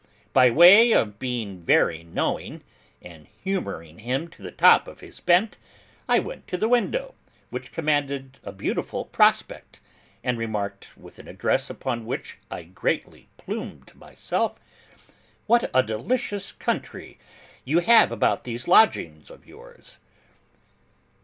By way of being very knowing, and humouring him to the top of his bent, I went to the window, which commanded a beautiful prospect, and remarked, with an address upon which I greatly plumed myself: 'What a delicious country you have about these lodgings of yours!